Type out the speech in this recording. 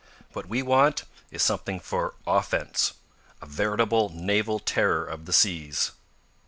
What we want is something for offense, a veritable naval terror of the seas."